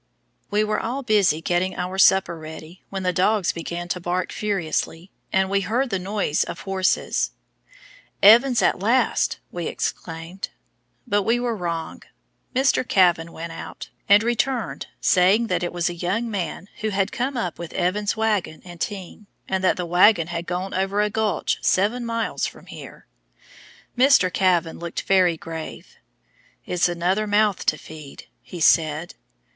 We were all busy getting our supper ready when the dogs began to bark furiously, and we heard the noise of horses. "Evans at last!" we exclaimed, but we were wrong. Mr. Kavan went out, and returned saying that it was a young man who had come up with Evans's wagon and team, and that the wagon had gone over into a gulch seven miles from here. Mr. Kavan looked very grave. "It's another mouth to feed," he said.